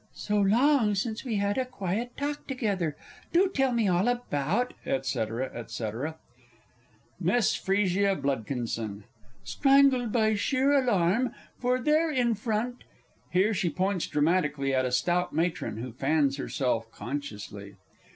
So long since we had a quiet talk together! Do tell me all about, &c., &c. MISS F. B. strangled by sheer alarm. For there in front [_Here she points dramatically at a stout matron, who fans herself consciously.